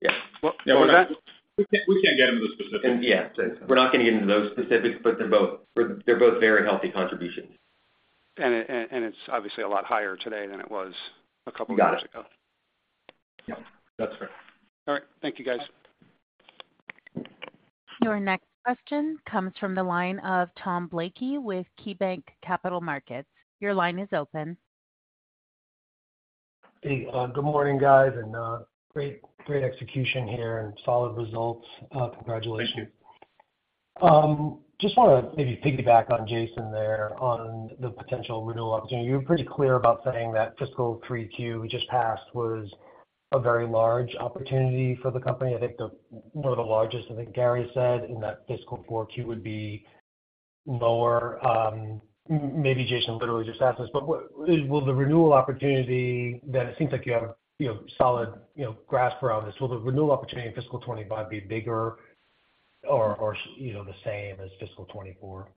yeah. Well, we can't, we can't get into the specifics. Yeah, we're not going to get into those specifics, but they're both, they're both very healthy contributions. And it's obviously a lot higher today than it was a couple of years ago. You got it. Yeah, that's fair. All right. Thank you, guys. Your next question comes from the line of Tom Blakey with KeyBanc Capital Markets. Your line is open. Hey, good morning, guys, and, great, great execution here and solid results. Congratulations. Thank you. Just wanna maybe piggyback on Jason there on the potential renewal opportunity. You're pretty clear about saying that fiscal 3Q, we just passed, was a very large opportunity for the company. I think the one of the largest, I think Gary said, and that fiscal 4Q would be lower. Maybe Jason literally just asked this, but what will the renewal opportunity that it seems like you have, you know, solid, you know, grasp around this, will the renewal opportunity in fiscal 2025 be bigger or, or, you know, the same as fiscal 2024?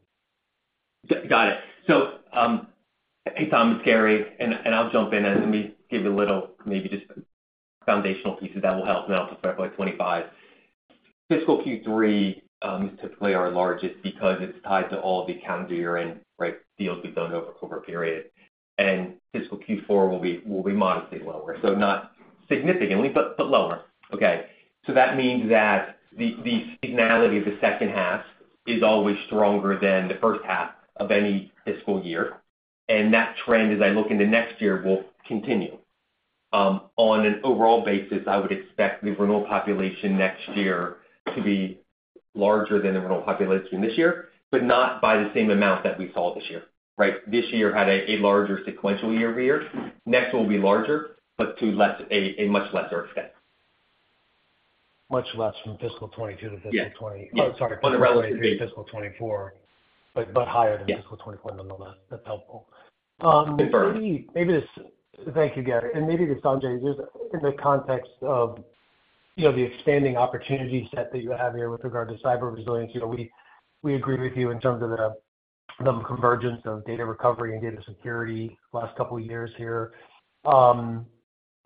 Got it. So, hey, Tom, it's Gary, and I'll jump in and let me give you a little, maybe just foundational pieces that will help now to start by 25. Fiscal Q3 is typically our largest because it's tied to all the calendar year-end, right, deals we've done over a corporate period. And fiscal Q4 will be modestly lower, so not significantly, but lower. Okay? So that means that the seasonality of the second half is always stronger than the first half of any fiscal year, and that trend, as I look into next year, will continue. On an overall basis, I would expect the renewal population next year to be larger than the renewal population this year, but not by the same amount that we saw this year, right? This year had a larger sequential year-over-year. Next will be larger, but to less a much lesser extent. Much less from fiscal 2022 to fiscal 20- Yeah. I'm sorry, fiscal 2024, but higher than fiscal 2024, nonetheless. That's helpful. Confirmed. Thank you, Gary, and maybe to Sanjay, just in the context of, you know, the expanding opportunity set that you have here with regard to cyber resilience, you know, we agree with you in terms of the convergence of data recovery and data security last couple of years here.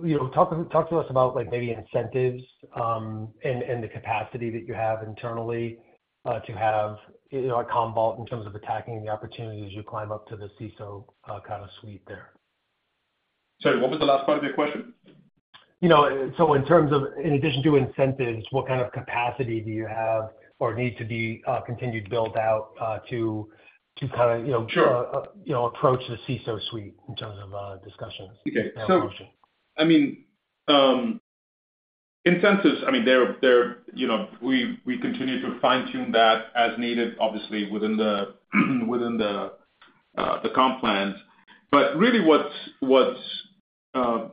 You know, talk to us about like maybe incentives, and the capacity that you have internally, to have, you know, a Commvault in terms of attacking the opportunities you climb up to the CISO, kind of suite there. Sorry, what was the last part of your question? You know, so in terms of in addition to incentives, what kind of capacity do you have or need to be continued built out to kind of, you know- Sure. You know, approach the CISO suite in terms of discussions? Okay. So, I mean, incentives, I mean, they're, you know, we continue to fine-tune that as needed, obviously within the comp plans. But really what's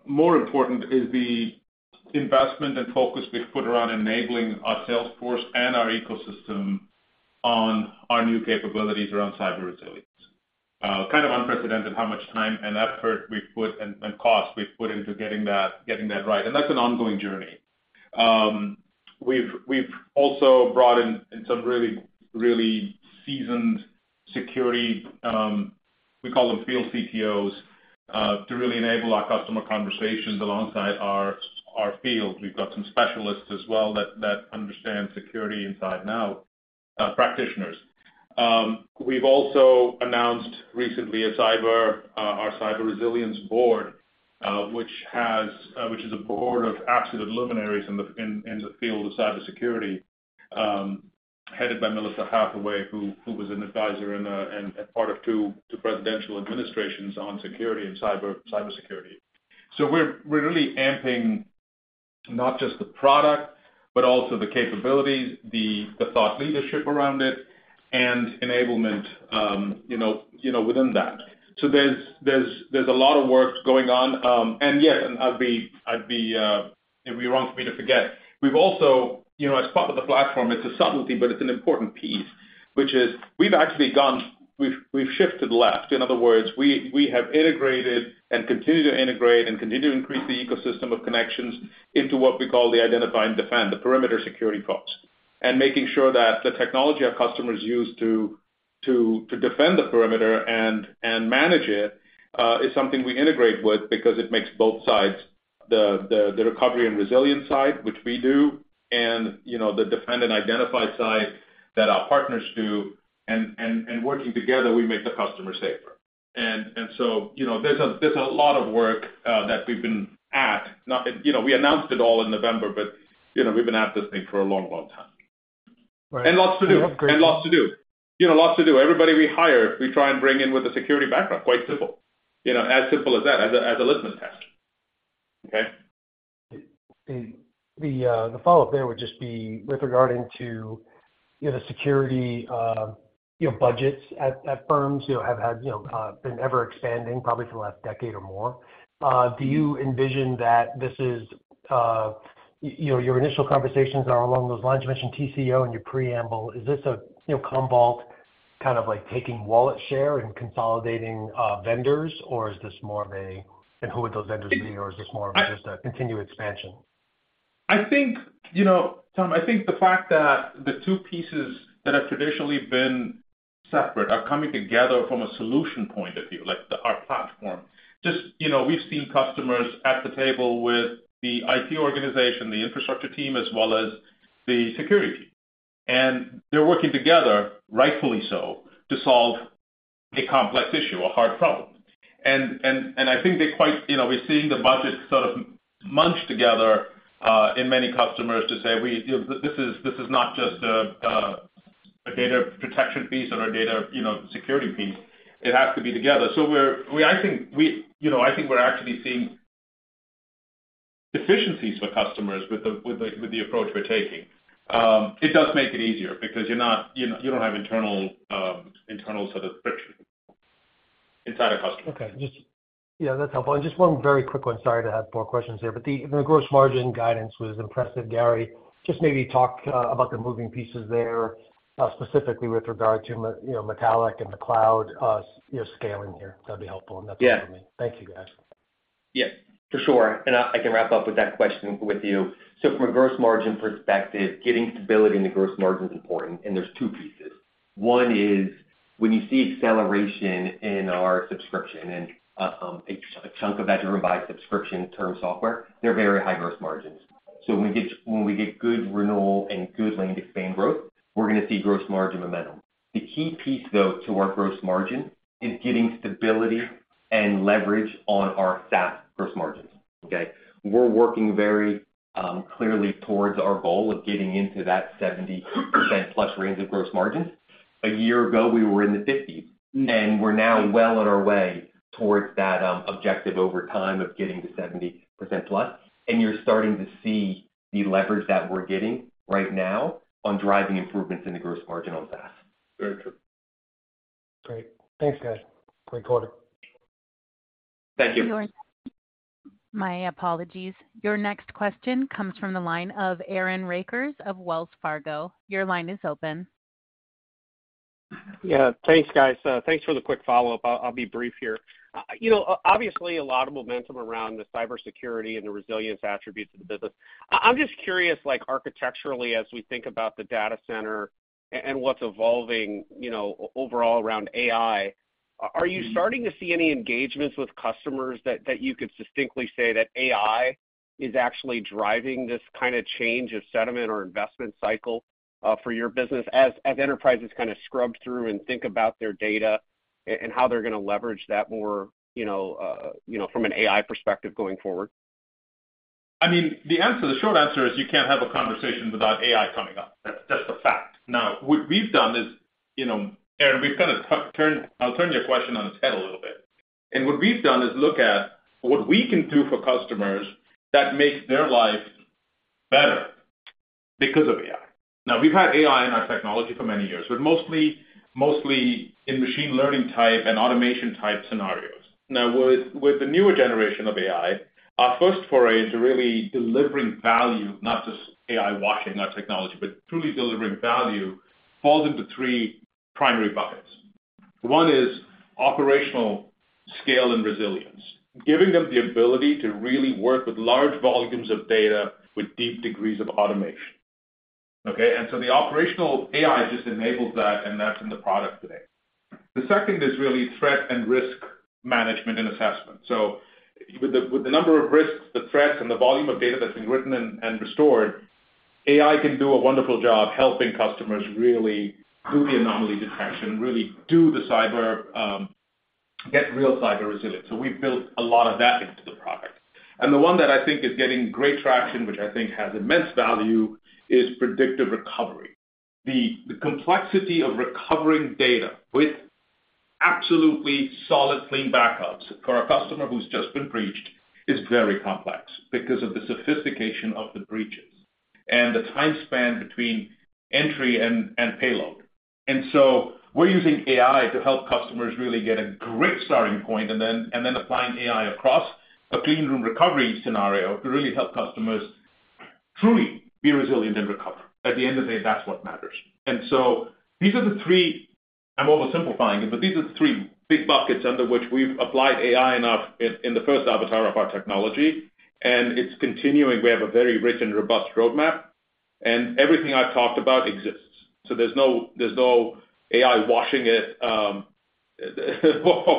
more important is the investment and focus we've put around enabling our sales force and our ecosystem on our new capabilities around cyber resilience. Kind of unprecedented how much time and effort we've put, and cost we've put into getting that right. And that's an ongoing journey. We've also brought in some really seasoned security, we call them field CTOs, to really enable our customer conversations alongside our field. We've got some specialists as well, that understand security inside now, practitioners. We've also announced recently our cyber resilience board, which is a board of absolute luminaries in the field of cybersecurity, headed by Melissa Hathaway, who was an advisor and a part of two presidential administrations on security and cybersecurity. So we're really amping not just the product, but also the capabilities, the thought leadership around it and enablement, you know, within that. So there's a lot of work going on. And yes, it'd be wrong for me to forget. We've also, you know, as part of the platform, it's a subtlety, but it's an important piece, which is we've actually gone. We've shifted left. In other words, we have integrated and continue to integrate and continue to increase the ecosystem of connections into what we call the identify and defend, the perimeter security folks. And making sure that the technology our customers use to defend the perimeter and manage it is something we integrate with because it makes both sides, the recovery and resilience side, which we do, and, you know, the defend and identify side that our partners do. And working together, we make the customer safer. And so, you know, there's a lot of work that we've been at. You know, we announced it all in November, but, you know, we've been at this thing for a long, long time. Right. Lots to do. Great. Lots to do. You know, lots to do. Everybody we hire, we try and bring in with a security background, quite simple. You know, as simple as that, as a litmus test. Okay? The follow-up there would just be with regard to, you know, the security, you know, budgets at firms, you know, have had, you know, been ever expanding probably for the last decade or more. Do you envision that this is, you know, your initial conversations are along those lines. You mentioned TCO in your preamble. Is this a, you know, Commvault kind of like taking wallet share and consolidating vendors? Or is this more of a, and who would those vendors be? Or is this more of just a continued expansion? I think, you know, Tom, I think the fact that the two pieces that have traditionally been separate are coming together from a solution point of view, like the, our platform. Just, you know, we've seen customers at the table with the IT organization, the infrastructure team, as well as the security team, and they're working together, rightfully so, to solve a complex issue, a hard problem. I think they quite—you know, we're seeing the budget sort of bunched together in many customers to say, we, you know, this is, this is not just a data protection piece or a data, you know, security piece. It has to be together. So we, I think, we, you know, I think we're actually seeing efficiencies for customers with the, with the, with the approach we're taking. It does make it easier because you're not, you don't have internal sort of friction inside a customer. Okay, just... Yeah, that's helpful. And just one very quick one. Sorry to have more questions here, but the gross margin guidance was impressive, Gary. Just maybe talk about the moving pieces there, specifically with regard to you know, Metallic and the cloud, you know, scaling here. That'd be helpful enough for me. Yeah. Thank you, guys. Yeah, for sure, and I can wrap up with that question with you. So from a gross margin perspective, getting stability in the gross margin is important, and there's two pieces. One is when you see acceleration in our subscription and a chunk of that driven by subscription term software, they're very high gross margins. So when we get good renewal and good land expand growth, we're going to see gross margin momentum. The key piece, though, to our gross margin is getting stability and leverage on our SaaS gross margins. Okay? We're working very clearly towards our goal of getting into that 70%+ range of gross margins. A year ago, we were in the 50s, and we're now well on our way towards that objective over time of getting to 70%+. You're starting to see the leverage that we're getting right now on driving improvements in the gross margin on SaaS. Very true. Great. Thanks, guys. Great quarter. Thank you. My apologies. Your next question comes from the line of Aaron Rakers of Wells Fargo. Your line is open. Yeah, thanks, guys. Thanks for the quick follow-up. I'll be brief here. You know, obviously a lot of momentum around the cybersecurity and the resilience attributes of the business. I'm just curious, like architecturally, as we think about the data center and what's evolving, you know, overall around AI, are you starting to see any engagements with customers that you could distinctly say that AI is actually driving this kind of change of sentiment or investment cycle for your business, as enterprises kind of scrub through and think about their data and how they're going to leverage that more, you know, you know, from an AI perspective going forward? I mean, the answer, the short answer is you can't have a conversation without AI coming up. That's, that's a fact. Now, what we've done is, you know, Aaron, we've kind of turned... I'll turn your question on its head a little bit. And what we've done is look at what we can do for customers that makes their life better.... because of AI. Now, we've had AI in our technology for many years, but mostly, mostly in machine learning type and automation type scenarios. Now, with, with the newer generation of AI, our first foray into really delivering value, not just AI washing our technology, but truly delivering value, falls into three primary buckets. One is operational scale and resilience, giving them the ability to really work with large volumes of data with deep degrees of automation, okay? And so the operational AI just enables that, and that's in the product today. The second is really threat and risk management and assessment. So with the number of risks, the threats, and the volume of data that's been written and restored, AI can do a wonderful job helping customers really do the anomaly detection, really do the cyber, get real cyber resilience. So we've built a lot of that into the product. And the one that I think is getting great traction, which I think has immense value, is predictive recovery. The complexity of recovering data with absolutely solid, clean backups for a customer who's just been breached is very complex because of the sophistication of the breaches and the time span between entry and payload. And so we're using AI to help customers really get a great starting point, and then applying AI across a Clean Room Recovery scenario to really help customers truly be resilient and recover. At the end of the day, that's what matters. And so these are the three... I'm oversimplifying it, but these are the three big buckets under which we've applied AI enough in the first avatar of our technology, and it's continuing. We have a very rich and robust roadmap, and everything I've talked about exists, so there's no AI washing it, of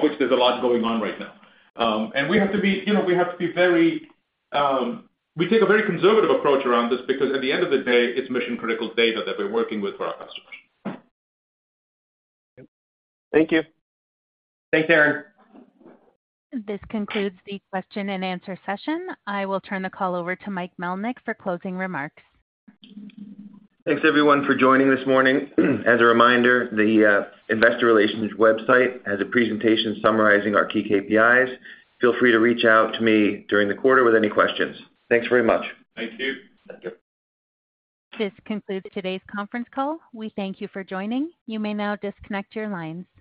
which there's a lot going on right now. And we have to be, you know, we have to be very-- we take a very conservative approach around this because at the end of the day, it's mission-critical data that we're working with for our customers. Thank you. Thanks, Aaron. This concludes the question and answer session. I will turn the call over to Michael Melynk for closing remarks. Thanks, everyone, for joining this morning. As a reminder, the investor relations website has a presentation summarizing our key KPIs. Feel free to reach out to me during the quarter with any questions. Thanks very much. Thank you. Thank you. This concludes today's conference call. We thank you for joining. You may now disconnect your lines.